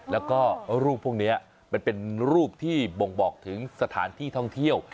แล้วก็รูปพวกนี้มันเป็นรูปที่บ่งบอกถึงสถานที่ท่องเที่ยว